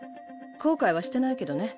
後悔はしてないけどね。